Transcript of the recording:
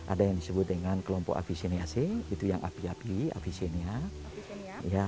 ada yang disebut dengan kelompok afisiensi itu yang api api afisinia